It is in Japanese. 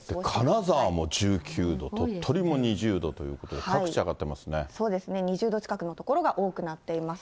金沢も１９度、鳥取も２０度ということで、各地そうですね、２０度近くの所が多くなっています。